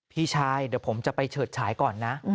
พี่ชายเดี๋ยวผมจะไปเฉิดฉายก่อนนะ